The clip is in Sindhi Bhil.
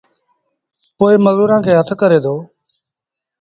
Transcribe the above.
پو مزورآݩ کي هٿ ڪري دو